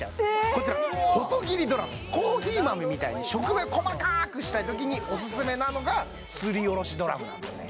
こちら細切りドラムコーヒー豆みたいに食材を細かくしたい時にオススメなのがすりおろしドラムなんですね